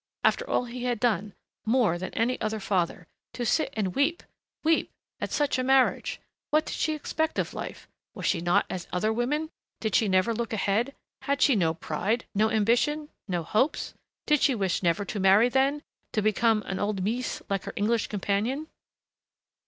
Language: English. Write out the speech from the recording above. After all he had done more than any other father! To sit and weep! Weep at such a marriage! What did she expect of life? Was she not as other women? Did she never look ahead? Had she no pride, no ambition no hopes? Did she wish never to marry, then, to become an old mees like her English companion?